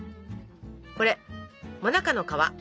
これもなかの皮。